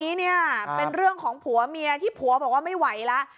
ทีนี้เนี่ยเป็นเรื่องของผัวเมียที่ผัวบอกว่าไม่ไหวแล้ว